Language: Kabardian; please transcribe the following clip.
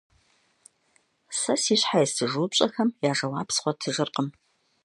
Сэ си щхьэ естыж упщӏэхэм я жэуап згъуэтыжыркъм.